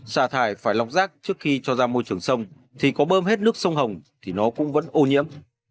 xả thải phải lọc rác trước khi cho ra môi trường sông thì có bơm hết nước sông hồng thì nó cũng vẫn ô nhiễm